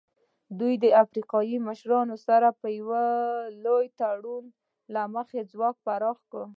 دوی له افریقایي مشرانو سره د یو لړ تړونونو له مخې واک پراخ کړ.